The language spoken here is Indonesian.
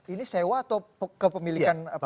ini sewa atau kepemilikan permanen pak